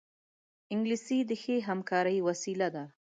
انګلیسي د ښې همکارۍ وسیله ده